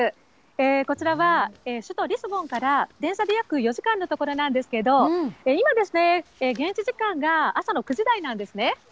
こちらは首都リスボンから電車で約４時間の所なんですけど、今、現地時間が朝の９時台なんですね。